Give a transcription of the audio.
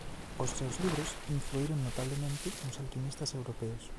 Os seus libros influíron notablemente nos alquimistas europeos.